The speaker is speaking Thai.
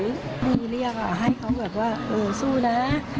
ฉันเรียกให้เขาสู้นะ